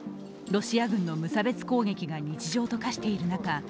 ロシア軍の無差別攻撃が日常と化している中